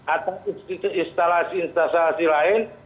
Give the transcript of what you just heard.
atau instalasi instalasi lain